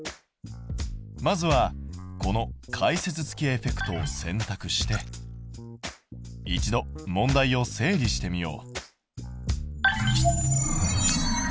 まずはこの解説付きエフェクトを選択して一度問題を整理してみよう。